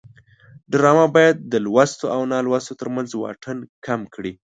ډرامه باید د لوستو او نالوستو ترمنځ واټن کم کړي